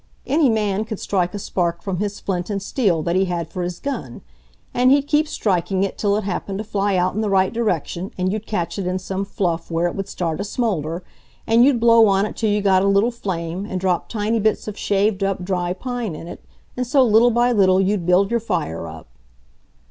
"Any man could strike a spark from his flint and steel that he had for his gun. And he'd keep striking it till it happened to fly out in the right direction, and you'd catch it in some fluff where it would start a smoulder, and you'd blow on it till you got a little flame, and drop tiny bits of shaved up dry pine in it, and so, little by little, you'd build your fire up."